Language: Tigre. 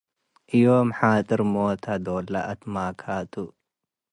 ዮም ሓጥር ሞተ - ዶልለ አትማካቱ